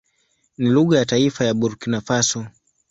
Ni lugha ya taifa ya Burkina Faso.